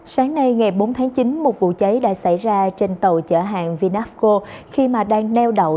sáng nay ngày bốn tháng chín một vụ cháy đã xảy ra trên tàu chở hàng vinapco khi mà đang neo đậu